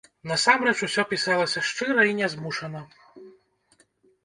Насамрэч усё пісалася шчыра і нязмушана.